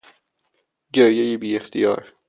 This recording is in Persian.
گریهی بیاختیار